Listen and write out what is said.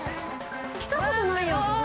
来たことないよ。